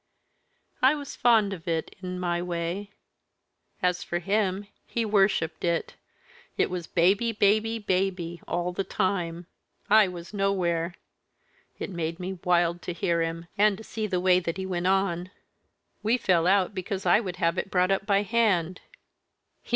I was fond of it, in my way. As for him, he worshipped it; it was baby, baby, baby! all the time. I was nowhere. It made me wild to hear him, and to see the way that he went on. We fell out because I would have it brought up by hand.